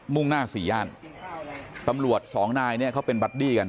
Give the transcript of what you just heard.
่งหน้าสี่ย่านตำรวจสองนายเนี่ยเขาเป็นบัดดี้กัน